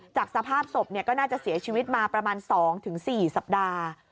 จากสภาพศพก็น่าจะเสียชีวิตมาประมาณสองถึงสี่สัปดาห์